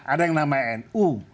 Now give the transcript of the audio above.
ada yang namanya nu